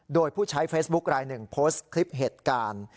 โดยผู้ใช้เฟซบุ๊คลายหนึ่งโพสต์คลิปเหตุการณ์